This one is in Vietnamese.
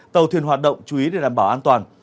tàu thuyền hoạt động chú ý để đảm bảo an toàn